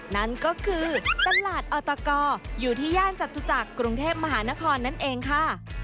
นั่นก็คือตลาดออตกอยู่ที่ย่านจตุจักรกรุงเทพมหานครนั่นเองค่ะ